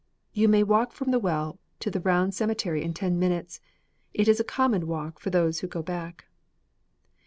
You may walk from the well to the round cemetery in ten minutes. It is a common walk for those who go back.